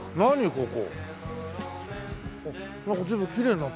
ここ。